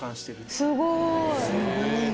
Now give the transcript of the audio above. すごいね。